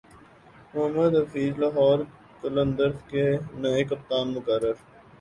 محمد حفیظ لاہور قلندرز کے نئے کپتان مقرر